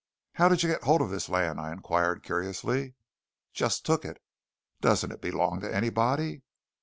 "How did you get hold of this land?" I inquired curiously. "Just took it". "Doesn't it belong to anybody?"